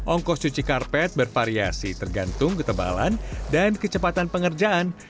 ongkos cuci karpet bervariasi tergantung ketebalan dan kecepatan pengerjaan